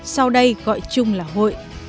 sau đây gọi chung là hội